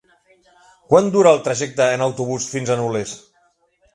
Quant dura el trajecte en autobús fins a Nules?